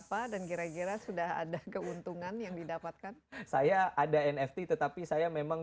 kalian kira kira sudah ada keuntungan yang didapatkan saya ada nfc tetapi saya memang